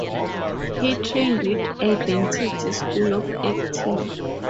He trained with Identity School of Acting.